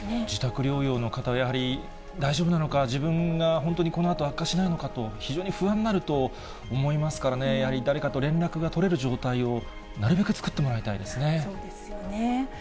自宅療養の方やはり大丈夫なのか、自分が本当にこのあと悪化しないのかとか、非常に不安になると思いますからね、やはり誰かと連絡が取れる状態を、なるべく作ってそうですよね。